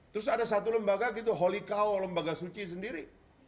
terus ada satu lembaga gitu holi kau lembaga suci sendiri